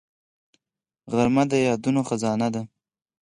غرمه د یادونو خزانه ده